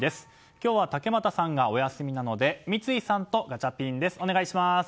今日は竹俣さんがお休みなので三井さんとガチャピンです。